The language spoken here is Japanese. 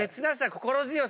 「心強さ」